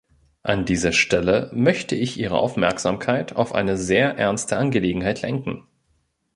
An dieser Stelle möchte ich Ihre Aufmerksamkeit auf eine sehr ernste Angelegenheit lenken.